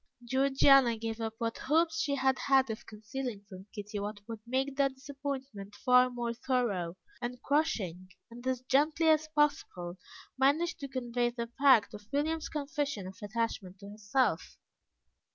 Georgiana gave up what hopes she had had of concealing from Kitty what would make the disappointment far more thorough, and crushing, and as gently as possible managed to convey the fact of William's confession of attachment to herself.